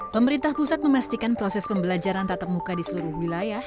pemerintah pusat memastikan proses pembelajaran tatap muka di seluruh wilayah